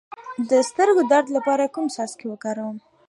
د سترګو د درد لپاره کوم څاڅکي وکاروم؟